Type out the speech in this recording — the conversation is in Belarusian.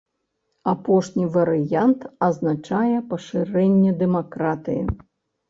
Апошні варыянт азначае пашырэнне дэмакратыі.